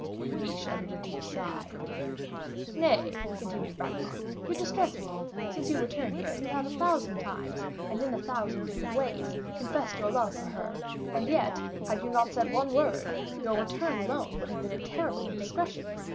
De Guiche uttered a deep sigh. "Nay," continued Bragelonne, "you distress me; since your return here, you have a thousand times, and in a thousand different ways, confessed your love for her; and yet, had you not said one word, your return alone would have been a terrible indiscretion.